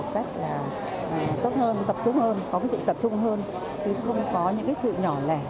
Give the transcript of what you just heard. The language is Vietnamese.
để tập trung hơn có những sự tập trung hơn chứ không có những sự nhỏ lẻ